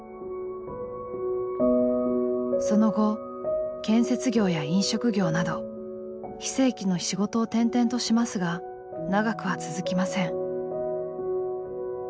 その後建設業や飲食業など非正規の仕事を転々としますが長くは続きません。